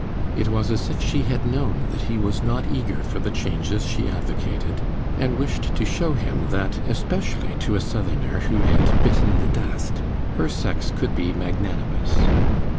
It was as if she had known that he was not eager for the changes she advocated, and wished to show him that, especially to a Southerner who had bitten the dust, her sex could be magnanimous.